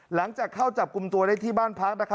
หลังจากเข้าจับกลุ่มตัวได้ที่บ้านพัก